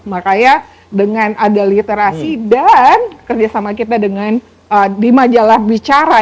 makanya dengan ada literasi dan kerjasama kita dengan di majalah bicara